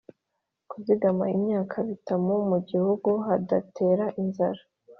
Kuzigama imyaka bituma mu gihugu hadatera inzara.